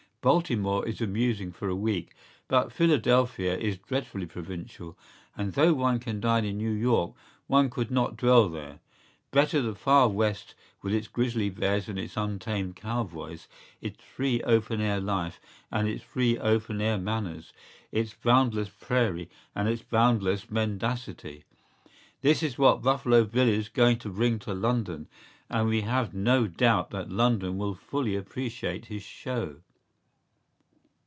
¬Ý Baltimore is amusing for a week, but Philadelphia is dreadfully provincial; and though one can dine in New York one could not dwell there.¬Ý Better the Far West with its grizzly bears and its untamed cowboys, its free open air life and its free open air manners, its boundless prairie and its boundless mendacity!¬Ý This is what Buffalo Bill is going to bring to London; and we have no doubt that London will fully appreciate his show.